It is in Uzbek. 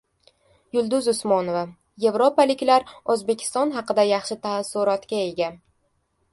Yulduz Usmonova: «Yevropaliklar O‘zbekiston haqida yaxshi taassurotga ega»